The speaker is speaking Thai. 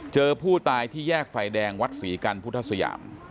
เจอผู้ตายที่แยกไฟแดงวัดศรีกันพุทธสยาม